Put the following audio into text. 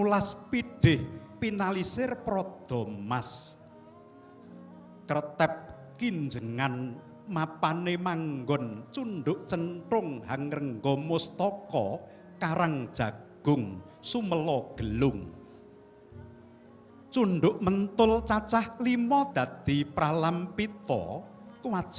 kahayap sang yaning bergodo prajurit ayak ayak mentaraman